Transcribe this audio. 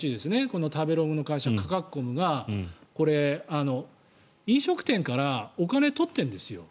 この食べログの会社カカクコムが飲食店からお金を取っているんです。